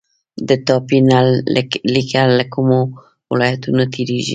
د ټاپي نل لیکه له کومو ولایتونو تیریږي؟